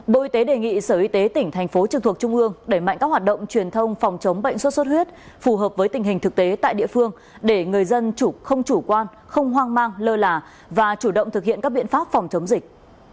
bộ y tế đề nghị sở y tế tỉnh thành phố trực thuộc trung ương đẩy mạnh các hoạt động truyền thông phòng chống bệnh sốt xuất huyết phù hợp với tình hình thực tế tại địa phương để người dân không chủ quan không hoang mang lơ là và chủ động thực hiện các biện pháp phòng chống dịch